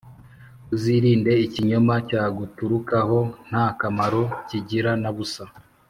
Uzirinde ikinyoma cyaguturukaho, nta kamaro kigira na busa